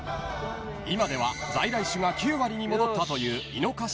［今では在来種が９割に戻ったという井の頭池］